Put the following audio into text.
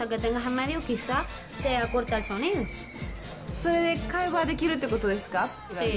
それで会話できるということですか？